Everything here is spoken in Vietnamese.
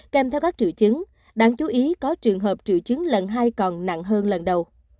kèm theo các triệu chứng đáng chú ý có trường hợp triệu chứng lần hai còn nặng hơn lần đầu